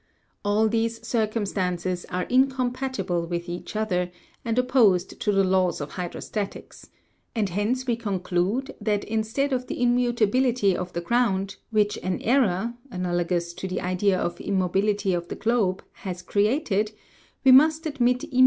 All these circumstances are incompatible with each other, and opposed to the laws of hydrostatics ; and hence we conclude, that instead of the immutability of the ground, which an error, analogous to the idea of immobility of the globe, has created, we must admit immu 7.